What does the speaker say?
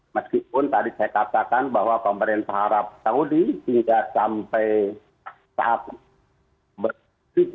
meskipun tadi saya katakan bahwa pemerintah arab saudi hingga sampai tahap berikutnya